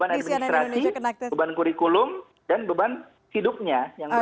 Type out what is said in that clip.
beban administrasi beban kurikulum dan beban hidupnya yang berat